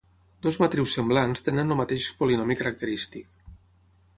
Dues matrius semblants tenen el mateix polinomi característic.